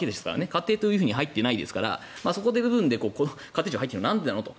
家庭というふうに入ってないですからそこの部分で家庭と入ってきたのはなんでなのと。